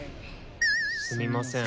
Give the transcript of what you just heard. すみません。